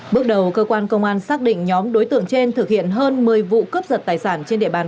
bước đầu cơ quan công an xác định nhóm đối tượng trên thực hiện hơn một mươi vụ cướp giật tài sản